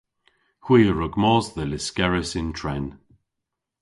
Hwi a wrug mos dhe Lyskerrys yn tren.